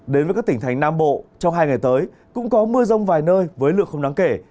đến với các tỉnh thành nam bộ trong hai ngày tới cũng có mưa rông vài nơi với lượng không đáng kể